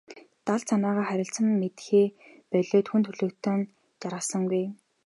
Далд санаагаа харилцан мэдэхээ болиод хүн төрөлхтөн жаргасангүй.